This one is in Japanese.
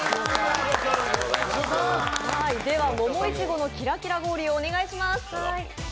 では、桃苺のキラキラ氷をお願いします。